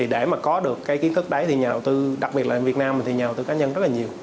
để có được kiến thức đấy thì nhà đầu tư đặc biệt việt nam thì nhà đầu tư cá nhân rất nhiều